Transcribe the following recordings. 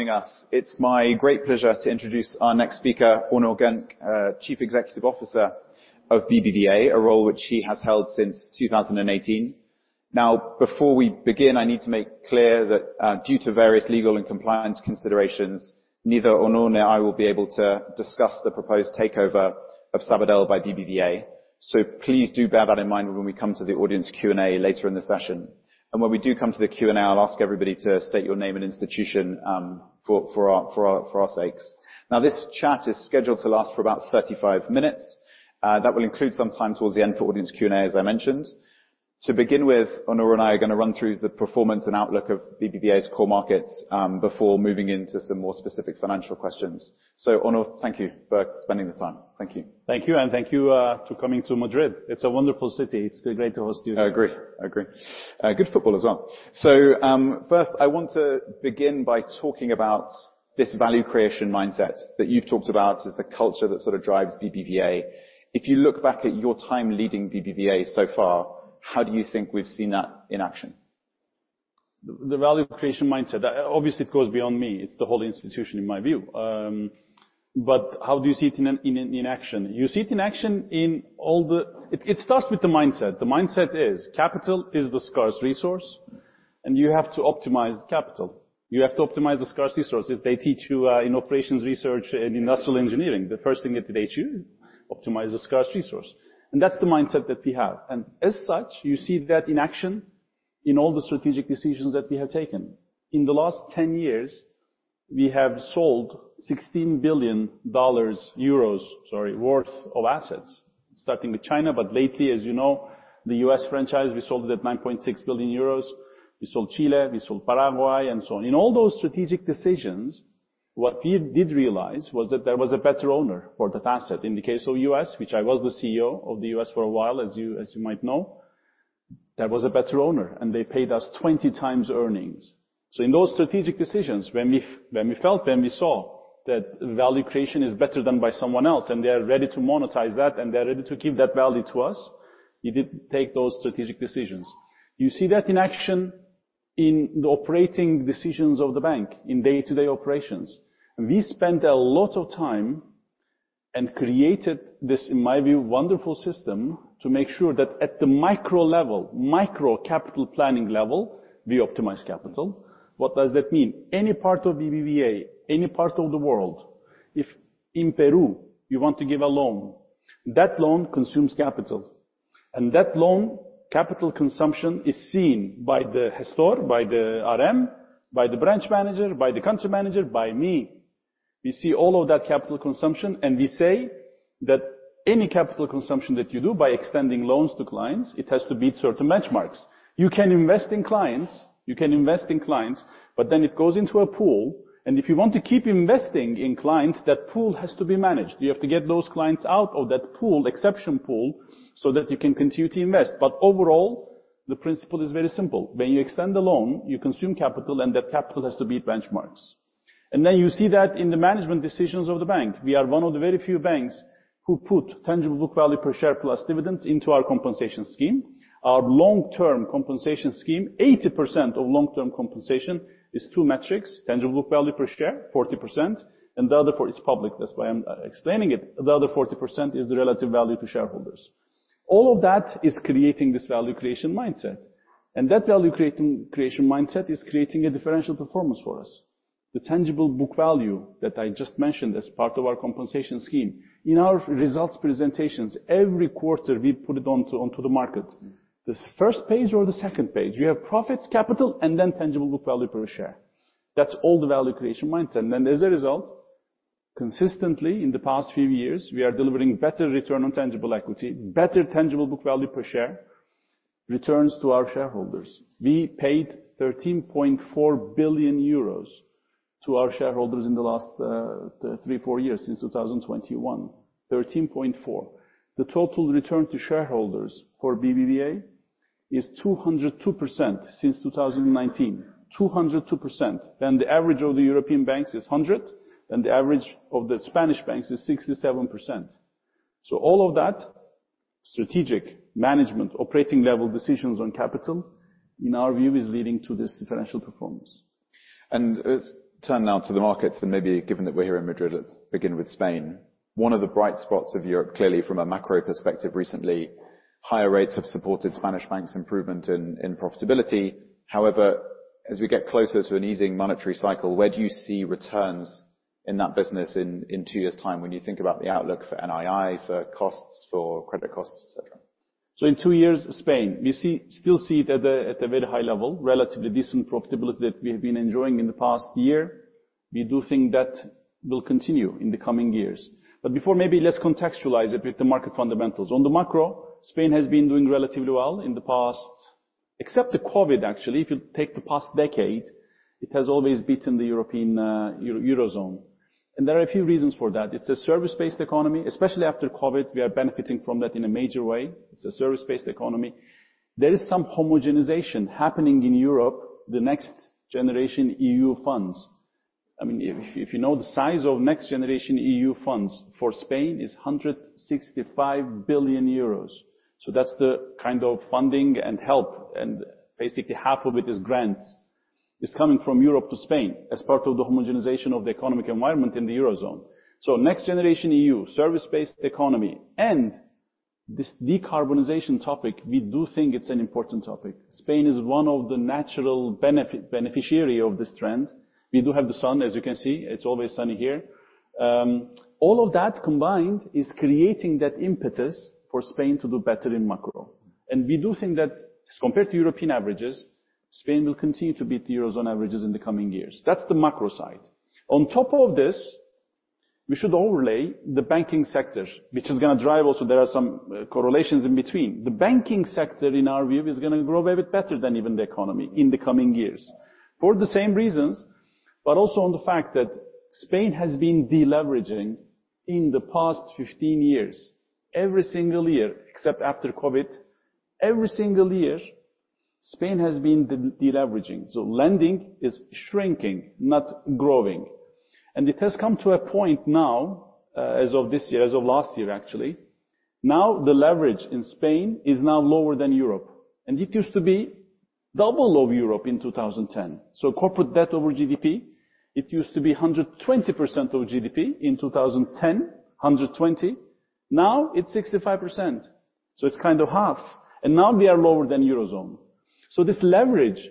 Joining us. It's my great pleasure to introduce our next speaker, Onur Genç, Chief Executive Officer of BBVA, a role which he has held since 2018. Now, before we begin, I need to make clear that, due to various legal and compliance considerations, neither Onur nor I will be able to discuss the proposed takeover of Sabadell by BBVA. So please do bear that in mind when we come to the audience Q&A later in the session. And when we do come to the Q&A, I'll ask everybody to state your name and institution, for our sakes. Now, this chat is scheduled to last for about 35 minutes. That will include some time towards the end for audience Q&A, as I mentioned. To begin with, Onur and I are gonna run through the performance and outlook of BBVA's core markets, before moving into some more specific financial questions. Onur, thank you for spending the time. Thank you. Thank you, and thank you, to coming to Madrid. It's a wonderful city. It's great to host you. I agree. I agree. Good football as well. First, I want to begin by talking about this value creation mindset that you've talked about as the culture that sort of drives BBVA. If you look back at your time leading BBVA so far, how do you think we've seen that in action? The value creation mindset, obviously, it goes beyond me. It's the whole institution, in my view. But how do you see it in action? You see it in action in all the... It starts with the mindset. The mindset is, capital is the scarce resource, and you have to optimize capital. You have to optimize the scarce resource. If they teach you in operations research and industrial engineering, the first thing that they teach you, optimize the scarce resource. And that's the mindset that we have. And as such, you see that in action in all the strategic decisions that we have taken. In the last 10 years, we have sold EUR 16 billion, euros, sorry, worth of assets, starting with China, but lately, as you know, the U.S. franchise, we sold it at 9.6 billion euros. We sold Chile, we sold Paraguay, and so on. In all those strategic decisions, what we did realize was that there was a better owner for that asset. In the case of U.S., which I was the CEO of the U.S. for a while, as you, as you might know, there was a better owner, and they paid us 20x earnings. So in those strategic decisions, when we, when we felt, when we saw that value creation is better than by someone else, and they are ready to monetize that, and they're ready to give that value to us, you did take those strategic decisions. You see that in action in the operating decisions of the bank, in day-to-day operations. We spent a lot of time and created this, in my view, wonderful system to make sure that at the micro level, micro capital planning level, we optimize capital. What does that mean? Any part of BBVA, any part of the world, if in Peru, you want to give a loan, that loan consumes capital, and that loan capital consumption is seen by the store, by the RM, by the branch manager, by the country manager, by me. We see all of that capital consumption, and we say that any capital consumption that you do by extending loans to clients, it has to beat certain benchmarks. You can invest in clients, you can invest in clients, but then it goes into a pool, and if you want to keep investing in clients, that pool has to be managed. You have to get those clients out of that pool, exception pool, so that you can continue to invest. But overall, the principle is very simple. When you extend the loan, you consume capital, and that capital has to beat benchmarks. And then you see that in the management decisions of the bank. We are one of the very few banks who put Tangible Book Value per Share plus dividends into our compensation scheme. Our long-term compensation scheme, 80% of long-term compensation is two metrics, Tangible Book Value per Share, 40%, and the other forty... It's public, that's why I'm explaining it. The other 40% is the relative value to shareholders. All of that is creating this value creation mindset, and that value creating, creation mindset is creating a differential performance for us. The tangible book value that I just mentioned as part of our compensation scheme, in our results presentations, every quarter, we put it onto the market. This first page or the second page, we have profits, capital, and then Tangible Book Value per Share. That's all the value creation mindset. And then as a result, consistently, in the past few years, we are delivering better Return on Tangible Equity, better Tangible Book Value per Share, returns to our shareholders. We paid 13.4 billion euros to our shareholders in the last three, four years, since 2021, 13.4. The total return to shareholders for BBVA is 202% since 2019. 202%, and the average of the European banks is 100%, and the average of the Spanish banks is 67%. So all of that strategic management, operating level decisions on capital, in our view, is leading to this differential performance. Let's turn now to the markets, and maybe given that we're here in Madrid, let's begin with Spain. One of the bright spots of Europe, clearly from a macro perspective recently, higher rates have supported Spanish banks' improvement in, in profitability. However, as we get closer to an easing monetary cycle, where do you see returns in that business in, in two years' time when you think about the outlook for NII, for costs, for credit costs, et cetera? So in two years, Spain, we still see it at a very high level, relatively decent profitability that we have been enjoying in the past year. We do think that will continue in the coming years. But before, maybe let's contextualize it with the market fundamentals. On the macro, Spain has been doing relatively well in the past. Except the COVID, actually, if you take the past decade, it has always beaten the Eurozone. And there are a few reasons for that. It's a service-based economy, especially after COVID, we are benefiting from that in a major way. It's a service-based economy. There is some homogenization happening in Europe, the Next Generation EU funds. I mean, if you know the size of Next Generation EU funds for Spain is 165 billion euros. So that's the kind of funding and help, and basically half of it is grants, is coming from Europe to Spain as part of the homogenization of the economic environment in the Eurozone. So Next Generation EU, service-based economy, and this decarbonization topic, we do think it's an important topic. Spain is one of the natural beneficiary of this trend. We do have the sun, as you can see, it's always sunny here. All of that combined is creating that impetus for Spain to do better in macro. And we do think that as compared to European averages, Spain will continue to beat the Eurozone averages in the coming years. That's the macro side. On top of this, we should overlay the banking sector, which is gonna drive also, there are some correlations in between. The banking sector, in our view, is gonna grow a bit better than even the economy in the coming years, for the same reasons, but also on the fact that Spain has been deleveraging in the past 15 years. Every single year, except after COVID, every single year, Spain has been deleveraging, so lending is shrinking, not growing. It has come to a point now, as of this year, as of last year, actually, now the leverage in Spain is now lower than Europe, and it used to be double of Europe in 2010. Corporate debt over GDP, it used to be 120% of GDP in 2010, 120. Now it's 65%, so it's kind of half, and now we are lower than Eurozone. So this leverage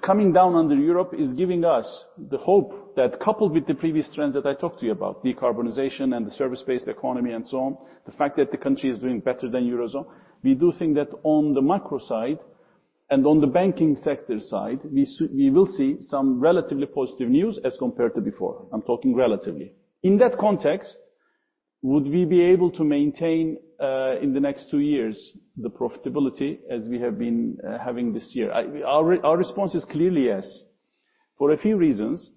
coming down under Europe is giving us the hope that, coupled with the previous trends that I talked to you about, decarbonization and the service-based economy and so on, the fact that the country is doing better than Eurozone, we do think that on the macro side, and on the banking sector side, we will see some relatively positive news as compared to before. I'm talking relatively. In that context, would we be able to maintain in the next two years, the profitability as we have been having this year? Our response is clearly yes, for a few reasons.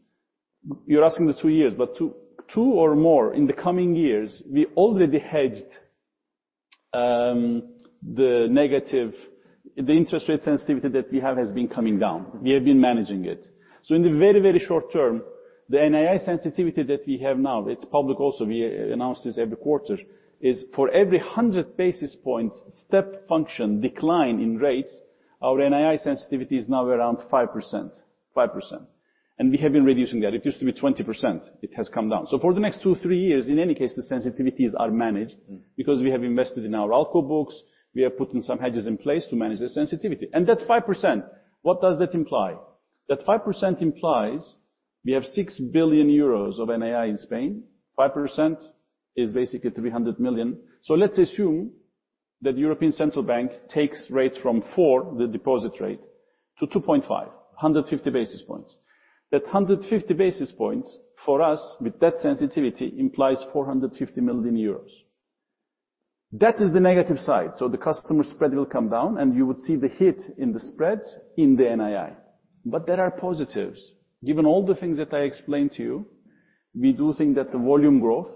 You're asking the two years, but two, two or more in the coming years, we already hedged the negative. The interest rate sensitivity that we have has been coming down. We have been managing it. So in the very, very short term, the NII sensitivity that we have now, it's public also, we announce this every quarter, is for every 100 basis points, step function decline in rates, our NII sensitivity is now around 5%. 5%. And we have been reducing that. It used to be 20%. It has come down. So for the next 2, 3 years, in any case, the sensitivities are managed because we have invested in our ALCO books, we have put in some hedges in place to manage the sensitivity. And that 5%, what does that imply? That 5% implies we have 6 billion euros of NII in Spain. 5% is basically 300 million. So let's assume that European Central Bank takes rates from 4, the deposit rate, to 2.5, 150 basis points. That 150 basis points, for us, with that sensitivity, implies 450 million euros. That is the negative side, so the customer spread will come down, and you would see the hit in the spreads in the NII. But there are positives. Given all the things that I explained to you, we do think that the volume growth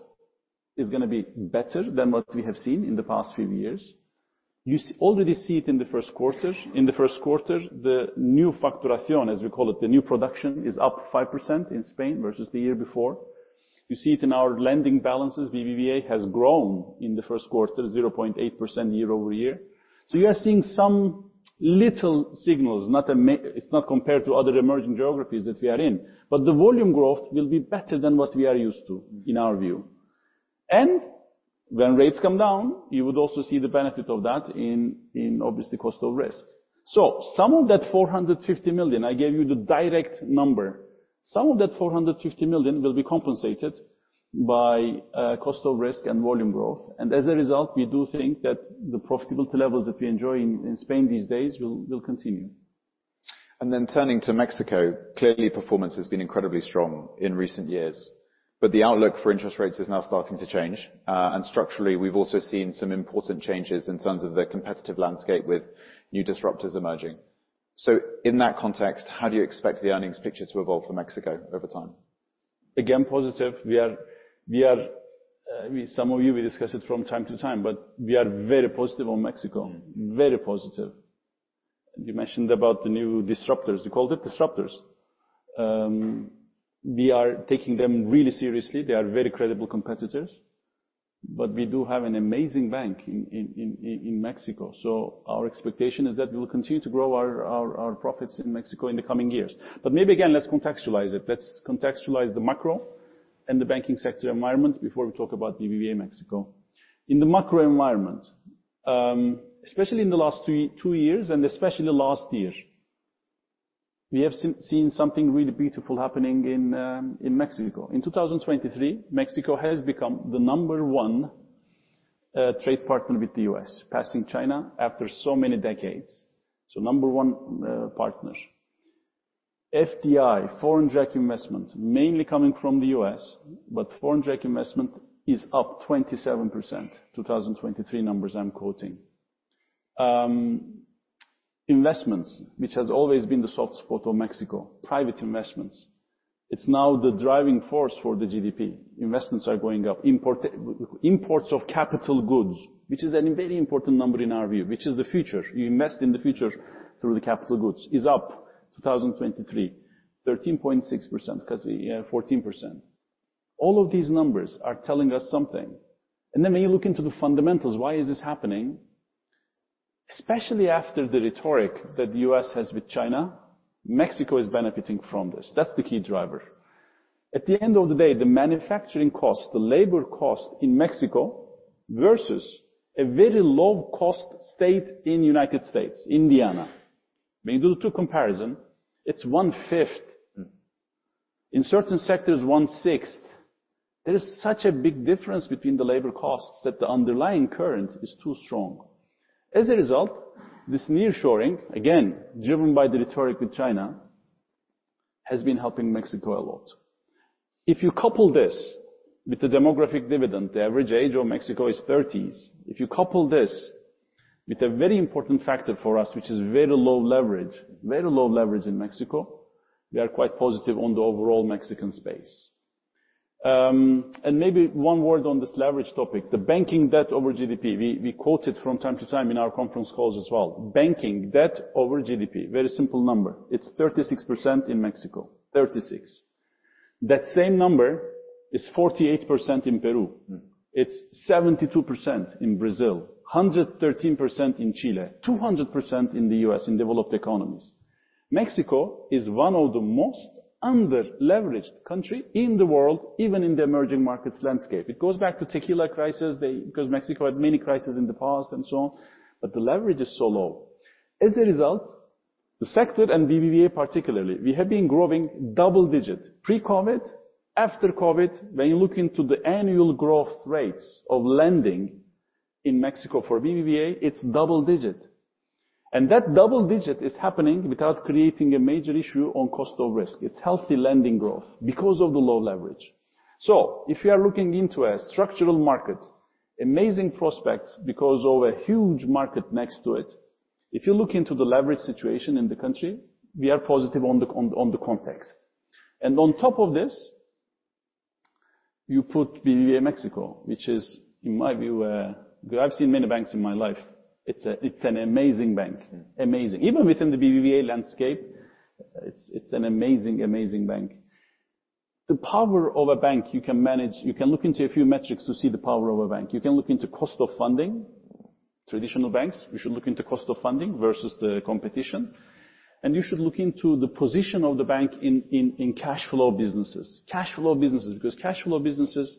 is gonna be better than what we have seen in the past few years. You already see it in the first quarter. In the first quarter, the new facturación, as we call it, the new production, is up 5% in Spain versus the year before. You see it in our lending balances. BBVA has grown in the first quarter, 0.8% year-over-year. So we are seeing some little signals, it's not compared to other emerging geographies that we are in, but the volume growth will be better than what we are used to, in our view. And when rates come down, you would also see the benefit of that in, in obviously cost of risk. So some of that 450 million, I gave you the direct number. Some of that 450 million will be compensated by cost of risk and volume growth. And as a result, we do think that the profitability levels that we enjoy in, in Spain these days will, will continue. Then turning to Mexico, clearly, performance has been incredibly strong in recent years, but the outlook for interest rates is now starting to change. And structurally, we've also seen some important changes in terms of the competitive landscape with new disruptors emerging. In that context, how do you expect the earnings picture to evolve for Mexico over time? Again, positive. We are, some of you, we discuss it from time to time, but we are very positive on Mexico. Mm. Very positive. You mentioned about the new disruptors. You called it disruptors? We are taking them really seriously. They are very credible competitors, but we do have an amazing bank in Mexico. So our expectation is that we will continue to grow our profits in Mexico in the coming years. But maybe again, let's contextualize it. Let's contextualize the macro and the banking sector environment before we talk about BBVA Mexico. In the macro environment, especially in the last two years, and especially last year, we have seen something really beautiful happening in Mexico. In 2023, Mexico has become the number one trade partner with the U.S., passing China after so many decades. So number one partner. FDI, foreign direct investment, mainly coming from the U.S., but foreign direct investment is up 27%, 2023 numbers I'm quoting. Investments, which has always been the soft spot of Mexico, private investments, it's now the driving force for the GDP. Investments are going up. Imports of capital goods, which is a very important number in our view, which is the future. You invest in the future through the capital goods, is up 2023, 13.6%, 'cause we have 14%.... All of these numbers are telling us something. And then when you look into the fundamentals, why is this happening? Especially after the rhetoric that the U.S. has with China, Mexico is benefiting from this. That's the key driver. At the end of the day, the manufacturing cost, the labor cost in Mexico, versus a very low-cost state in United States, Indiana. When you do two comparison, it's 1/5. Mm. In certain sectors, one-sixth. There is such a big difference between the labor costs that the underlying current is too strong. As a result, this nearshoring, again, driven by the rhetoric with China, has been helping Mexico a lot. If you couple this with the demographic dividend, the average age of Mexico is thirties. If you couple this with a very important factor for us, which is very low leverage, very low leverage in Mexico, we are quite positive on the overall Mexican space. And maybe one word on this leverage topic, the banking debt over GDP, we quote it from time to time in our conference calls as well. Banking debt over GDP, very simple number, it's 36% in Mexico, 36. That same number is 48% in Peru. Mm. It's 72% in Brazil, 113% in Chile, 200% in the US, in developed economies. Mexico is one of the most under-leveraged country in the world, even in the emerging markets landscape. It goes back to Tequila Crisis, because Mexico had many crises in the past and so on, but the leverage is so low. As a result, the sector, and BBVA particularly, we have been growing double-digit, pre-COVID, after COVID. When you look into the annual growth rates of lending in Mexico for BBVA, it's double-digit. And that double-digit is happening without creating a major issue on cost of risk. It's healthy lending growth because of the low leverage. So if you are looking into a structural market, amazing prospects, because of a huge market next to it, if you look into the leverage situation in the country, we are positive on the context. And on top of this, you put BBVA Mexico, which is, in my view, I've seen many banks in my life, it's an amazing bank. Mm. Amazing. Even within the BBVA landscape, it's an amazing, amazing bank. The power of a bank. You can look into a few metrics to see the power of a bank. You can look into cost of funding. Traditional banks, you should look into cost of funding versus the competition, and you should look into the position of the bank in cash flow businesses. Cash flow businesses, because cash flow businesses,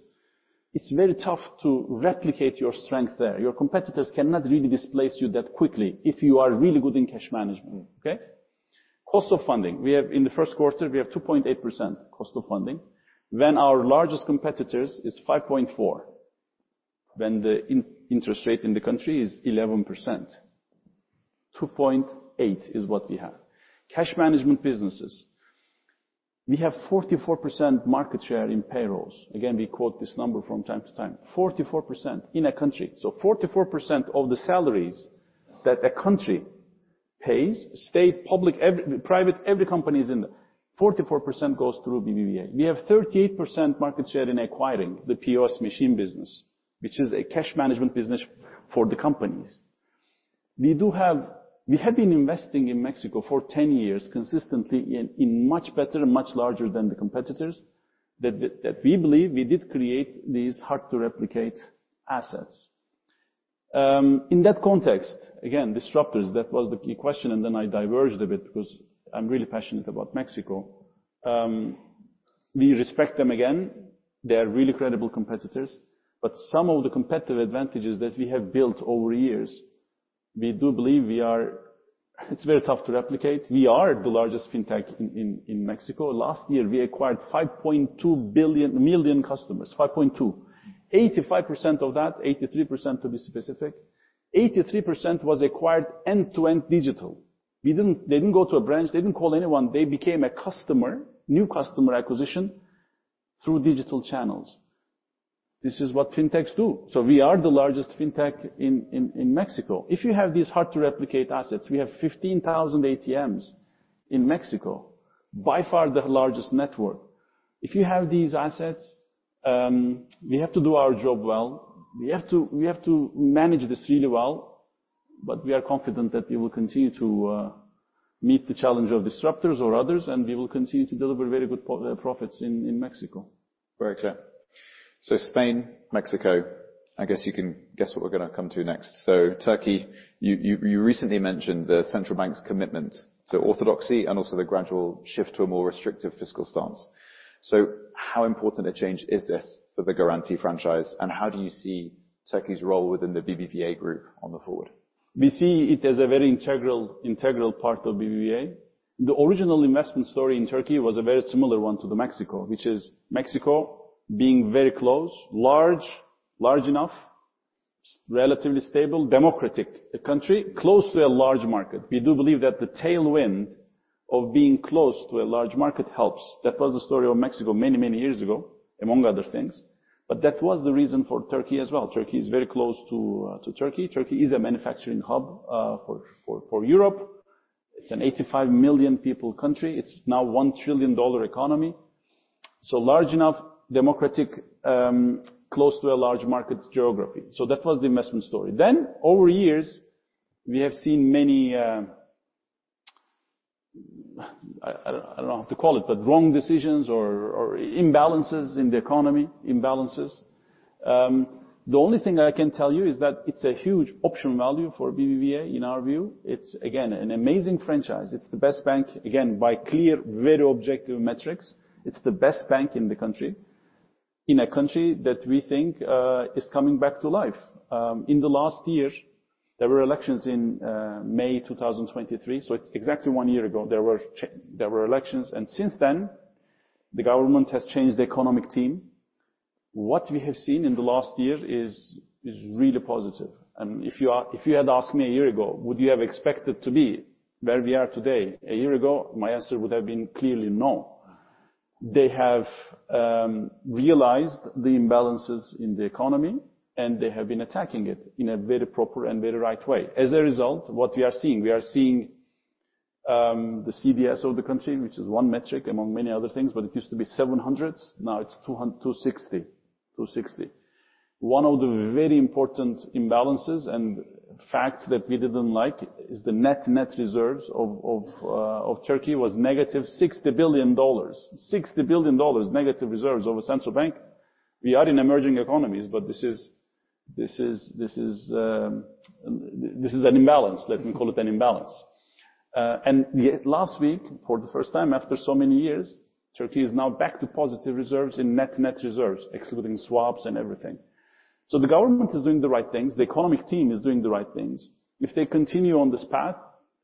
it's very tough to replicate your strength there. Your competitors cannot really displace you that quickly if you are really good in cash management. Mm. Okay? Cost of funding, we have... In the first quarter, we have 2.8% cost of funding, when our largest competitors is 5.4, when the interest rate in the country is 11%. 2.8% is what we have. Cash management businesses, we have 44% market share in payrolls. Again, we quote this number from time to time, 44% in a country. So 44% of the salaries that a country pays, state, public, every, private, every company is in the... 44% goes through BBVA. We have 38% market share in acquiring the POS machine business, which is a cash management business for the companies. We have been investing in Mexico for 10 years, consistently in, in much better and much larger than the competitors, that we believe we did create these hard-to-replicate assets. In that context, again, disruptors, that was the key question, and then I diverged a bit because I'm really passionate about Mexico. We respect them again. They are really credible competitors, but some of the competitive advantages that we have built over years, we do believe we are. It's very tough to replicate. We are the largest fintech in Mexico. Last year, we acquired 5.2 billion-- million customers, 5.2. 85% of that, 83%, to be specific, 83% was acquired end-to-end digital. We didn't. They didn't go to a branch. They didn't call anyone. They became a customer, new customer acquisition, through digital channels. This is what fintechs do, so we are the largest fintech in Mexico. If you have these hard-to-replicate assets, we have 15,000 ATMs in Mexico, by far the largest network. If you have these assets, we have to do our job well. We have to, we have to manage this really well, but we are confident that we will continue to meet the challenge of disruptors or others, and we will continue to deliver very good profits in Mexico. Very clear. So Spain, Mexico, I guess you can guess what we're gonna come to next. So Turkey, you recently mentioned the central bank's commitment to orthodoxy and also the gradual shift to a more restrictive fiscal stance. So how important a change is this for the Garanti franchise, and how do you see Turkey's role within the BBVA group going forward? We see it as a very integral, integral part of BBVA. The original investment story in Turkey was a very similar one to the Mexico, which is Mexico being very close, large enough, relatively stable, democratic country, close to a large market. We do believe that the tailwind of being close to a large market helps. That was the story of Mexico many, many years ago, among other things, but that was the reason for Turkey as well. Turkey is very close to Turkey. Turkey is a manufacturing hub for Europe. It's an 85 million people country. It's now $1 trillion economy, so large enough, democratic, close to a large market geography. So that was the investment story. Then over years, we have seen many... I don't know what to call it, but wrong decisions or imbalances in the economy, imbalances. The only thing I can tell you is that it's a huge option value for BBVA, in our view. It's, again, an amazing franchise. It's the best bank, again, by clear, very objective metrics. It's the best bank in the country, in a country that we think is coming back to life. In the last year, there were elections in May 2023, so exactly one year ago, there were elections, and since then, the government has changed the economic team. What we have seen in the last year is really positive, and if you had asked me a year ago, would you have expected to be where we are today a year ago? My answer would have been clearly no. They have realized the imbalances in the economy, and they have been attacking it in a very proper and very right way. As a result, what we are seeing? We are seeing the CDS of the country, which is one metric among many other things, but it used to be 700s, now it's 260. 260. One of the very important imbalances and facts that we didn't like is the net reserves of Turkey was -$60 billion. -$60 billion, reserves of a central bank. We are in emerging economies, but this is, this is, this is an imbalance. Let me call it an imbalance. And yet last week, for the first time, after so many years, Turkey is now back to positive reserves in net reserves, excluding swaps and everything. So the government is doing the right things, the economic team is doing the right things. If they continue on this path,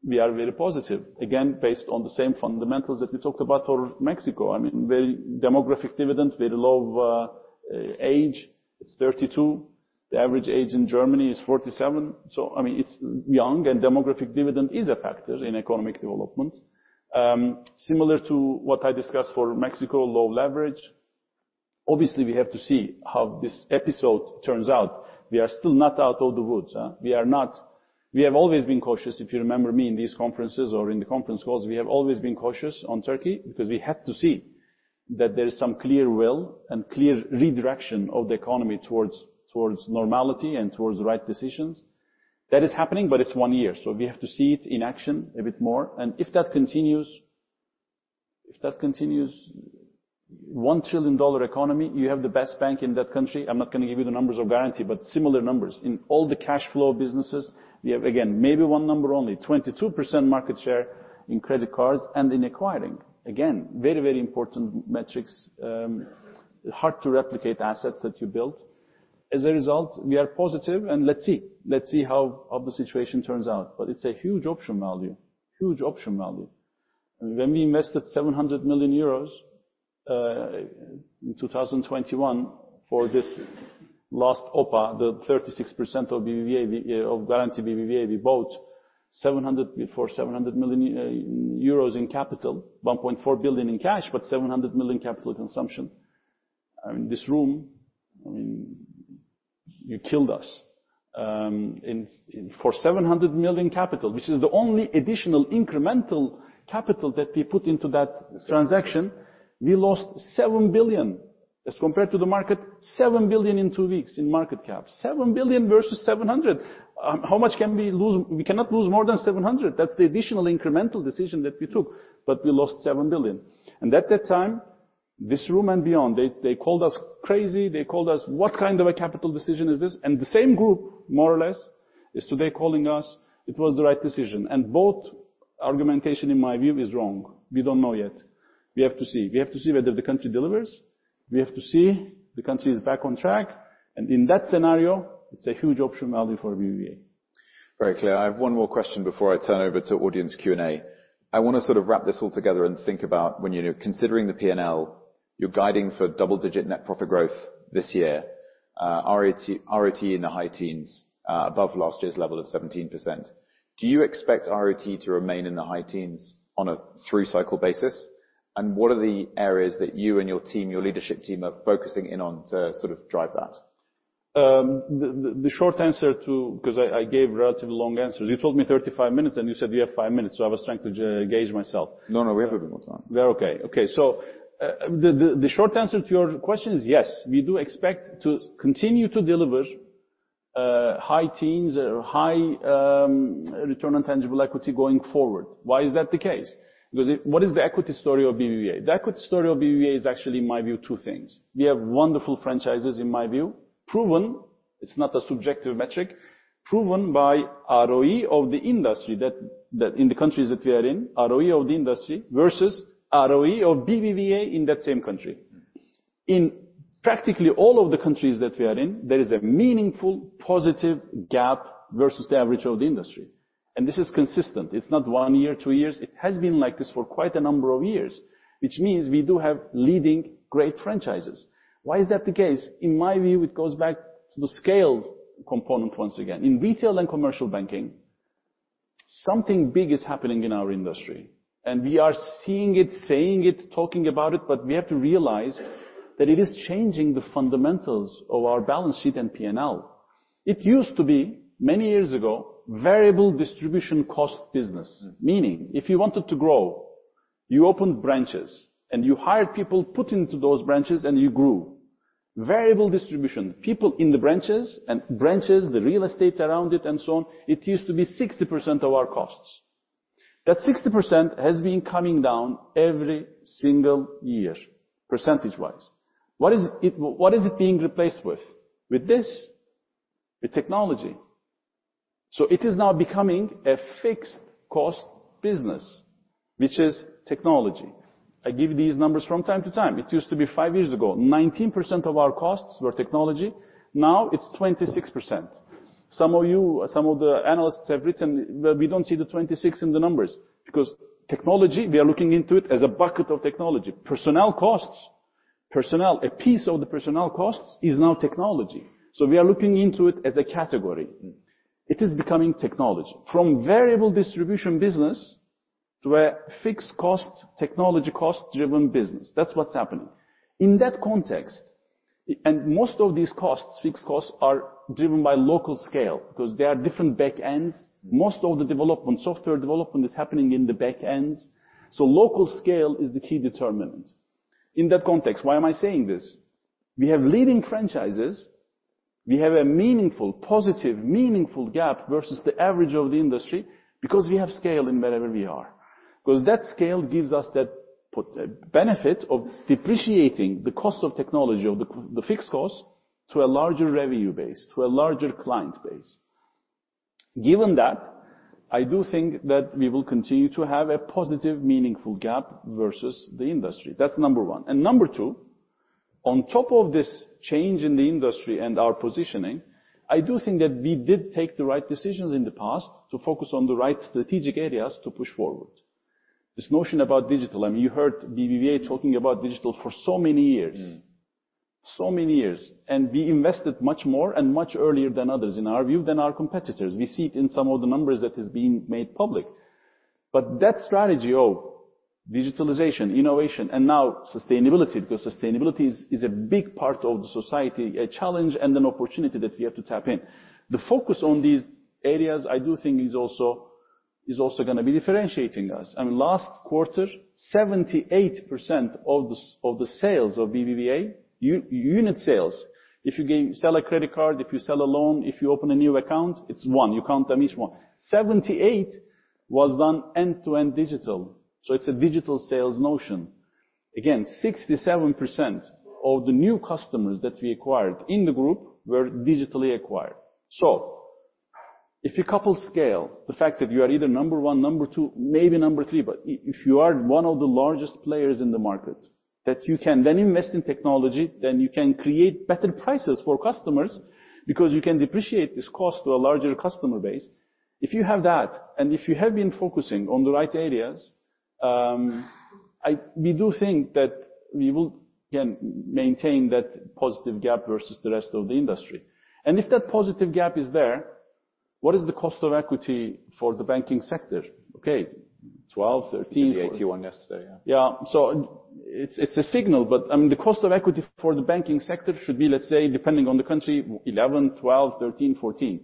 we are very positive. Again, based on the same fundamentals that we talked about for Mexico, I mean, very demographic dividend, very low of age. It's 32. The average age in Germany is 47. So, I mean, it's young, and demographic dividend is a factor in economic development. Similar to what I discussed for Mexico, low leverage. Obviously, we have to see how this episode turns out. We are still not out of the woods, huh? We are not... We have always been cautious, if you remember me in these conferences or in the conference calls, we have always been cautious on Turkey because we had to see that there is some clear will and clear redirection of the economy towards, towards normality and towards the right decisions. That is happening, but it's one year, so we have to see it in action a bit more. And if that continues, if that continues, $1 trillion economy, you have the best bank in that country. I'm not going to give you the numbers of Garanti, but similar numbers. In all the cash flow businesses, we have, again, maybe one number only, 22% market share in credit cards and in acquiring. Again, very, very important metrics, hard to replicate assets that you built. As a result, we are positive, and let's see. Let's see how the situation turns out. But it's a huge option value, huge option value. When we invested 700 million euros in 2021 for this last OPA, the 36% of BBVA, we- of Garanti BBVA, we bought seven hundred before, 700 million euros in capital, 1.4 billion in cash, but 700 million capital consumption. I mean, this room, I mean, you killed us. In, in for 700 million capital, which is the only additional incremental capital that we put into that transaction, we lost 7 billion as compared to the market, 7 billion in two weeks in market cap. 7 billion versus 700 million. How much can we lose? We cannot lose more than 700 million. That's the additional incremental decision that we took, but we lost 7 billion. And at that time, this room and beyond, they, they called us crazy, they called us: What kind of a capital decision is this? And the same group, more or less, is today calling us, "It was the right decision." And both argumentation, in my view, is wrong. We don't know yet. We have to see. We have to see whether the country delivers, we have to see the country is back on track, and in that scenario, it's a huge option value for BBVA. Very clear. I have one more question before I turn over to audience Q&A. I want to sort of wrap this all together and think about when you're considering the P&L, you're guiding for double-digit net profit growth this year, ROT in the high teens, above last year's level of 17%. Do you expect ROT to remain in the high teens on a three-cycle basis? And what are the areas that you and your team, your leadership team, are focusing in on to sort of drive that? The short answer to, because I gave relatively long answers. You told me 35 minutes, and you said we have 5 minutes, so I was trying to gauge myself. No, no, we have a bit more time. We are okay. Okay, so, the short answer to your question is yes, we do expect to continue to deliver high teens or high Return on Tangible Equity going forward. Why is that the case? Because what is the equity story of BBVA? The equity story of BBVA is actually, in my view, two things: We have wonderful franchises in my view, proven, it's not a subjective metric, proven by ROE of the industry that in the countries that we are in, ROE of the industry versus ROE of BBVA in that same country. In practically all of the countries that we are in, there is a meaningful positive gap versus the average of the industry. And this is consistent. It's not 1 year, 2 years, it has been like this for quite a number of years, which means we do have leading great franchises. Why is that the case? In my view, it goes back to the scale component once again. In retail and commercial banking, something big is happening in our industry, and we are seeing it, saying it, talking about it, but we have to realize that it is changing the fundamentals of our balance sheet and P&L. It used to be, many years ago, variable distribution cost business, meaning if you wanted to grow, you opened branches, and you hired people, put into those branches, and you grew.... variable distribution, people in the branches and branches, the real estate around it and so on, it used to be 60% of our costs. That 60% has been coming down every single year, percentage-wise. What is it, what is it being replaced with? With this, with technology. So it is now becoming a fixed cost business, which is technology. I give these numbers from time to time. It used to be five years ago, 19% of our costs were technology, now it's 26%. Some of you, some of the analysts have written, but we don't see the 26 in the numbers, because technology, we are looking into it as a bucket of technology. Personnel costs, personnel, a piece of the personnel costs is now technology. So we are looking into it as a category. It is becoming technology. From variable distribution business to a fixed cost, technology cost-driven business. That's what's happening. In that context, and most of these costs, fixed costs, are driven by local scale, because they are different back ends. Most of the development, software development, is happening in the back ends, so local scale is the key determinant. In that context, why am I saying this? We have leading franchises, we have a meaningful, positive, meaningful gap versus the average of the industry, because we have scale in wherever we are. Because that scale gives us that benefit of depreciating the cost of technology, of the, the fixed cost, to a larger revenue base, to a larger client base. Given that, I do think that we will continue to have a positive, meaningful gap versus the industry. That's number one. And number two, on top of this change in the industry and our positioning, I do think that we did take the right decisions in the past to focus on the right strategic areas to push forward. This notion about digital, I mean, you heard BBVA talking about digital for so many years. Mm. So many years, and we invested much more and much earlier than others, in our view, than our competitors. We see it in some of the numbers that is being made public. But that strategy of digitalization, innovation, and now sustainability, because sustainability is a big part of the society, a challenge and an opportunity that we have to tap in. The focus on these areas, I do think, is also gonna be differentiating us. I mean, last quarter, 78% of the sales of BBVA unit sales, if you sell a credit card, if you sell a loan, if you open a new account, it's one, you count them each one. 78% was done end-to-end digital, so it's a digital sales notion. Again, 67% of the new customers that we acquired in the group were digitally acquired. So if you couple scale, the fact that you are either number one, number two, maybe number three, but if you are one of the largest players in the market, that you can then invest in technology, then you can create better prices for customers, because you can depreciate this cost to a larger customer base. If you have that, and if you have been focusing on the right areas, we do think that we will, again, maintain that positive gap versus the rest of the industry. And if that positive gap is there, what is the cost of equity for the banking sector? Okay, 12-13- The AT1 yesterday, yeah. Yeah. So it's, it's a signal, but, I mean, the cost of equity for the banking sector should be, let's say, depending on the country, 11, 12, 13, 14,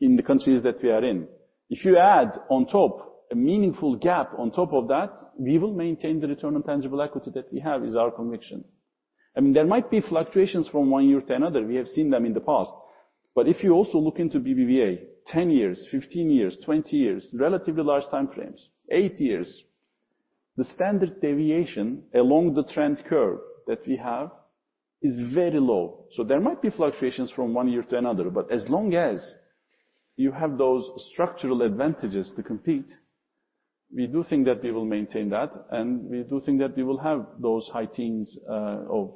in the countries that we are in. If you add on top, a meaningful gap on top of that, we will maintain the Return on Tangible Equity that we have, is our conviction. I mean, there might be fluctuations from one year to another. We have seen them in the past. But if you also look into BBVA, 10 years, 15 years, 20 years, relatively large time frames, 8 years, the standard deviation along the trend curve that we have is very low. So there might be fluctuations from one year to another, but as long as you have those structural advantages to compete, we do think that we will maintain that, and we do think that we will have those high teens of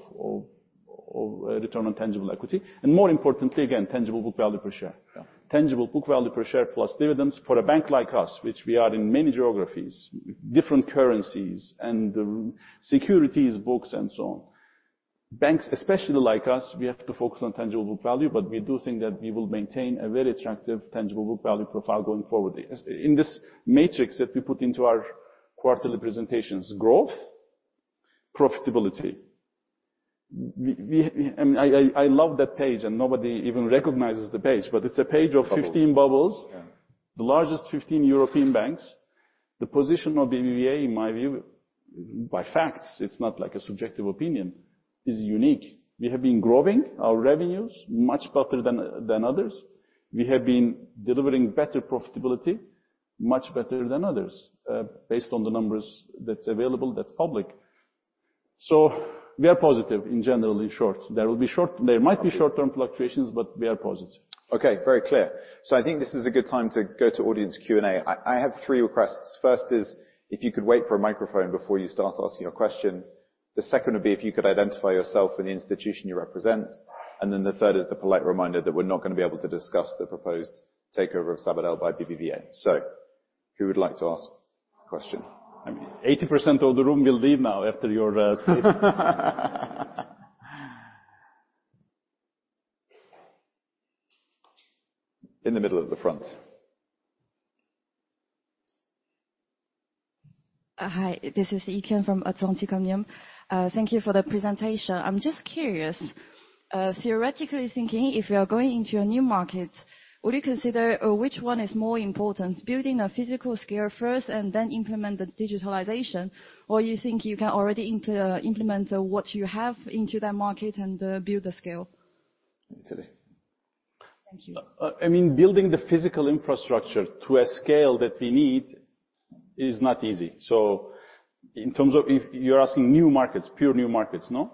Return on Tangible Equity. And more importantly, again, Tangible Book Value per Share. Yeah. Tangible Book Value per Share plus dividends for a bank like us, which we are in many geographies, different currencies, and securities, books, and so on. Banks, especially like us, we have to focus on tangible value, but we do think that we will maintain a very attractive tangible value profile going forward. As in this matrix that we put into our quarterly presentations, growth, profitability. We... I love that page, and nobody even recognizes the page, but it's a page of- Bubbles... 15 bubbles. Yeah. The largest 15 European banks. The position of BBVA, in my view, by facts, it's not like a subjective opinion, is unique. We have been growing our revenues much better than others. We have been delivering better profitability, much better than others, based on the numbers that's available, that's public. So we are positive in general, in short. There might be short-term fluctuations, but we are positive. Okay, very clear. So I think this is a good time to go to audience Q&A. I have three requests. First is, if you could wait for a microphone before you start asking your question. The second would be if you could identify yourself and the institution you represent. And then the third is the polite reminder that we're not going to be able to discuss the proposed takeover of Sabadell by BBVA. So who would like to ask a question? I mean, 80% of the room will leave now after your statement. In the middle of the front. Hi, this is Yi Qian from Atlanticomnium. Thank you for the presentation. I'm just curious, theoretically thinking, if you are going into a new market, would you consider which one is more important, building a physical scale first and then implement the digitalization? Or you think you can already implement what you have into that market and build the scale?... Thank you. I mean, building the physical infrastructure to a scale that we need is not easy. So in terms of if you're asking new markets, pure new markets, no?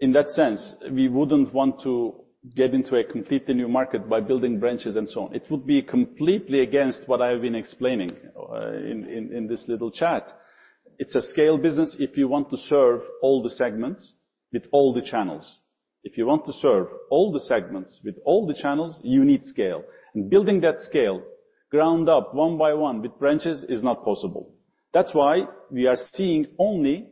In that sense, we wouldn't want to get into a completely new market by building branches and so on. It would be completely against what I have been explaining in this little chat. It's a scale business if you want to serve all the segments with all the channels. If you want to serve all the segments with all the channels, you need scale. And building that scale, ground up, one by one, with branches, is not possible. That's why we are seeing only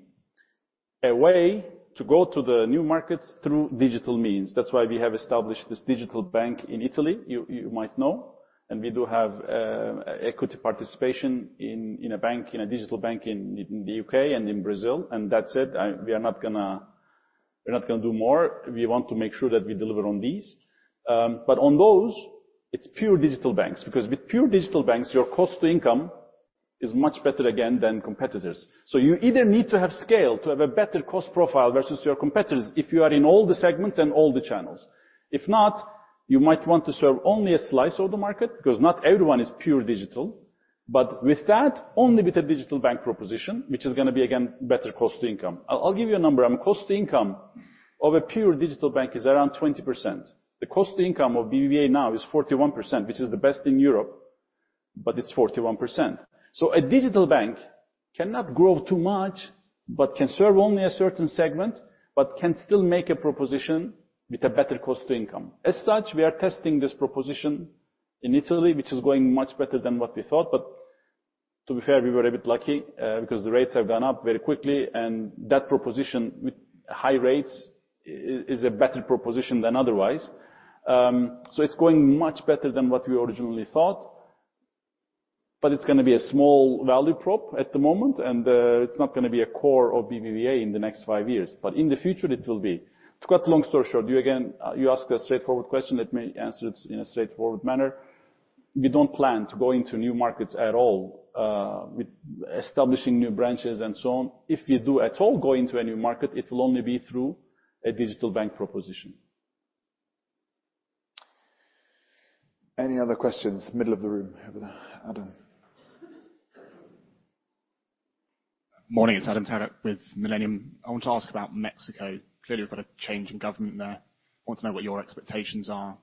a way to go to the new markets through digital means. That's why we have established this digital bank in Italy, you might know, and we do have equity participation in a digital bank in the UK and in Brazil. And that's it. We are not gonna, we're not gonna do more. We want to make sure that we deliver on these. But on those, it's pure digital banks, because with pure digital banks, your cost to income is much better, again, than competitors. So you either need to have scale to have a better cost profile versus your competitors if you are in all the segments and all the channels. If not, you might want to serve only a slice of the market, because not everyone is pure digital. But with that, only with a digital bank proposition, which is gonna be, again, better cost to income. I'll give you a number. Cost to income of a pure digital bank is around 20%. The cost to income of BBVA now is 41%, which is the best in Europe, but it's 41%. So a digital bank cannot grow too much, but can serve only a certain segment, but can still make a proposition with a better cost to income. As such, we are testing this proposition in Italy, which is going much better than what we thought. But to be fair, we were a bit lucky, because the rates have gone up very quickly, and that proposition with high rates is a better proposition than otherwise. So it's going much better than what we originally thought, but it's gonna be a small value prop at the moment, and it's not gonna be a core of BBVA in the next five years. But in the future, it will be. To cut long story short, you again you asked a straightforward question, let me answer it in a straightforward manner. We don't plan to go into new markets at all with establishing new branches and so on. If we do at all go into a new market, it will only be through a digital bank proposition. Any other questions? Middle of the room, over there. Adam. Morning, it's Adam Terelak with Millennium. I want to ask about Mexico. Clearly, you've got a change in government there. I want to know what your expectations are,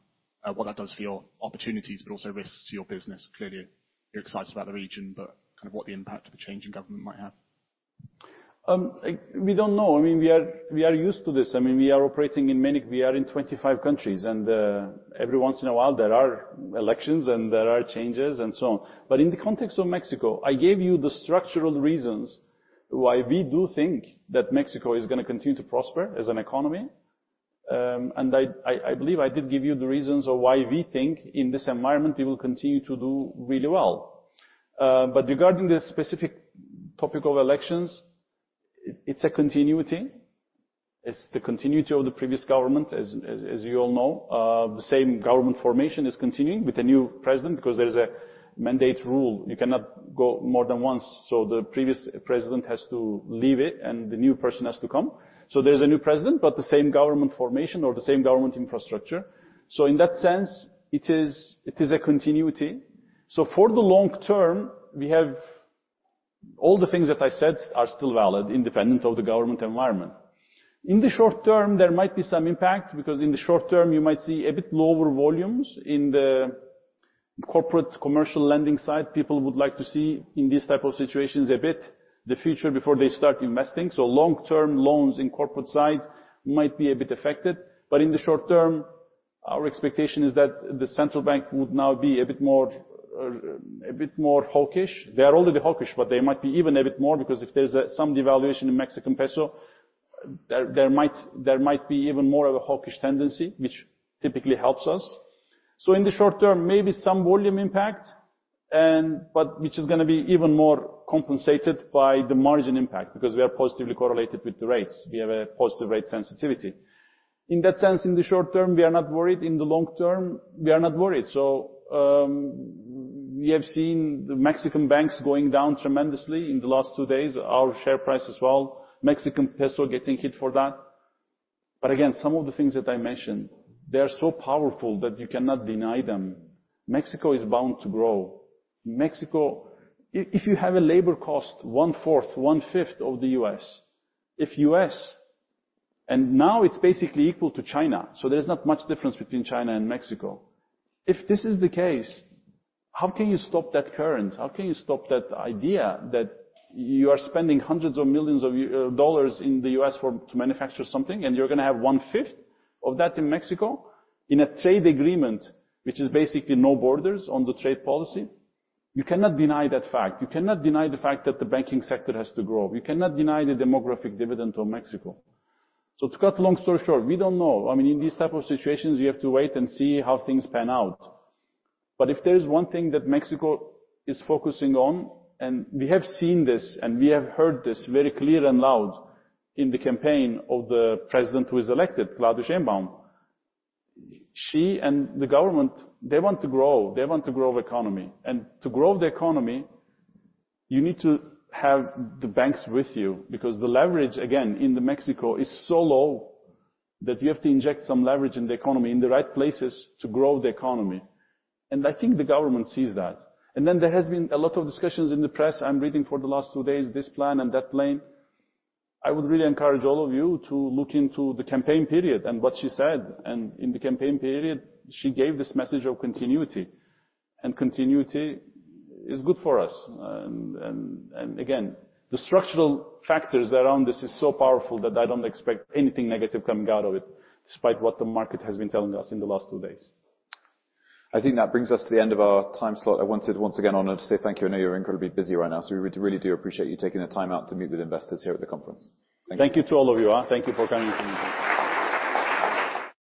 what that does for your opportunities, but also risks to your business. Clearly, you're excited about the region, but kind of what the impact of the change in government might have. We don't know. I mean, we are used to this. I mean, we are operating in many. We are in 25 countries, and every once in a while, there are elections and there are changes and so on. But in the context of Mexico, I gave you the structural reasons why we do think that Mexico is gonna continue to prosper as an economy. And I believe I did give you the reasons of why we think in this environment, we will continue to do really well. But regarding the specific topic of elections, it's a continuity. It's the continuity of the previous government, as you all know. The same government formation is continuing with a new president, because there is a mandate rule. You cannot go more than once, so the previous president has to leave it, and the new person has to come. So there's a new president, but the same government formation or the same government infrastructure. So in that sense, it is, it is a continuity. So for the long term, we have... All the things that I said are still valid, independent of the government environment. In the short term, there might be some impact, because in the short term, you might see a bit lower volumes. In the corporate commercial lending side, people would like to see, in these type of situations, a bit the future before they start investing. So long-term loans in corporate side might be a bit affected. But in the short term, our expectation is that the central bank would now be a bit more, a bit more hawkish. They are already hawkish, but they might be even a bit more, because if there's some devaluation in Mexican peso, there might be even more of a hawkish tendency, which typically helps us. So in the short term, maybe some volume impact and—but which is gonna be even more compensated by the margin impact, because we are positively correlated with the rates. We have a positive rate sensitivity. In that sense, in the short term, we are not worried. In the long term, we are not worried. So, we have seen the Mexican banks going down tremendously in the last two days, our share price as well, Mexican peso getting hit for that. But again, some of the things that I mentioned, they are so powerful that you cannot deny them. Mexico is bound to grow. Mexico... If, if you have a labor cost 1/4, 1/5 of the U.S., if U.S.-- and now it's basically equal to China, so there's not much difference between China and Mexico. If this is the case, how can you stop that current? How can you stop that idea that you are spending hundreds of millions dollar in the U.S. for, to manufacture something, and you're gonna have 1/5 of that in Mexico, in a trade agreement, which is basically no borders on the trade policy? You cannot deny that fact. You cannot deny the fact that the banking sector has to grow. You cannot deny the demographic dividend of Mexico. So to cut long story short, we don't know. I mean, in these type of situations, you have to wait and see how things pan out. But if there is one thing that Mexico is focusing on, and we have seen this, and we have heard this very clear and loud in the campaign of the president who is elected, Claudia Sheinbaum, she and the government, they want to grow, they want to grow the economy. And to grow the economy, you need to have the banks with you, because the leverage, again, in Mexico is so low, that you have to inject some leverage in the economy, in the right places, to grow the economy. And I think the government sees that. And then there has been a lot of discussions in the press. I'm reading for the last two days, this plan and that plan. I would really encourage all of you to look into the campaign period and what she said. In the campaign period, she gave this message of continuity, and continuity is good for us. And, and, and again, the structural factors around this is so powerful that I don't expect anything negative coming out of it, despite what the market has been telling us in the last two days. I think that brings us to the end of our time slot. I wanted once again, Onur, to say thank you. I know you're incredibly busy right now, so we really do appreciate you taking the time out to meet with investors here at the conference. Thank you. Thank you to all of you. Thank you for coming.